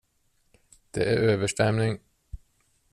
Det är översvämning.